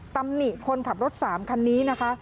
ตำหนิคนขับรถ๓คันนี้นะคะ